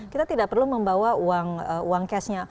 kita tidak perlu membawa uang cashnya